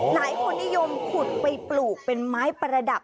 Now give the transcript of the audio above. หลายคนนิยมขุดไปปลูกเป็นไม้ประดับ